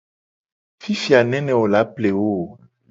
Fifi a nene wo la ple wo o.